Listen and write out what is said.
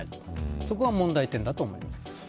そこが問題点だと思います。